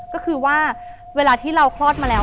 ก็คือว่าเวลาที่เราคลอดมาแล้ว